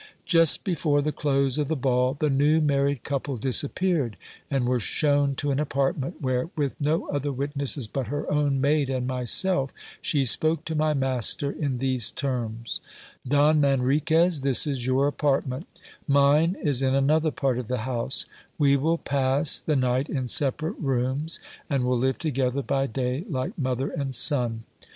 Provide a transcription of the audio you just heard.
Just before the close of the ball, the new married couple disappeared, and were shewn to an apartment, where, with no other witnesses but her own maid and myself, she spoke to my master in these terms :— Don Manriquez, this is your apartment ; mine is in another part of the house : we will pass the night in separate rooms, and will live together by day like mother and son.